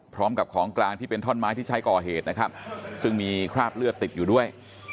พร้อมกับของกลางที่เป็นท่อนไม้ที่ใช้ก่อเหตุนะครับซึ่งมีคราบเลือดติดอยู่ด้วย